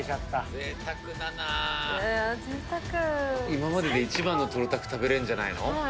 贅沢今までで一番のトロたく食べれるんじゃないの？